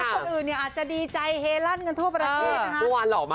คนอื่นเนี่ยอาจจะดีใจเฮลั่นเงินโทพระเทศ